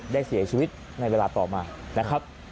ได้เสียชีวิตในเวลาต่อมานะครับ